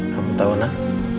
kamu tau gak